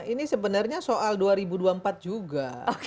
ini sebenarnya soal dua ribu dua puluh empat juga